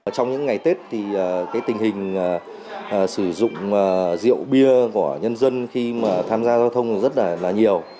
trong những ngày tết thì tình hình sử dụng rượu bia của nhân dân khi mà tham gia giao thông rất là nhiều